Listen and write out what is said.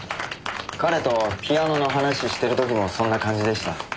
彼とピアノの話してる時もそんな感じでした。